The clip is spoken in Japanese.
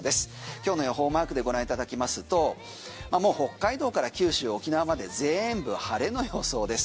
今日の予報マークでご覧いただきますともう北海道から九州、沖縄まで全部晴れの予想です。